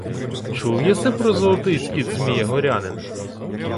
— Чув єси про золотий скіт Змія Горянина?